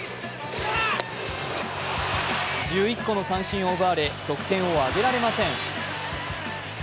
１１個の三振を奪われ得点をあげられません。